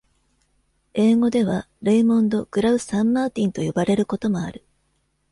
英語ではレイモンド・グラウ・サンマーティンと呼ばれることもある。